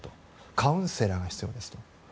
カウンセラーが必要なんです。